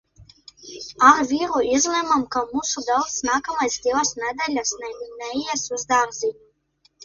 Ar vīru izlēmām, ka mūsu dēls nākamās divas nedēļas neies uz dārziņu.